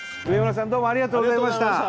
植村さんどうもありがとうございました。